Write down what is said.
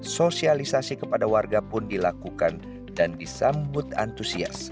sosialisasi kepada warga pun dilakukan dan disambut antusias